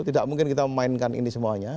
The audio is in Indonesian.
tidak mungkin kita memainkan ini semuanya